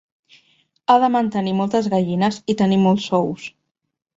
Ha de mantenir moltes gallines i tenir molts ous.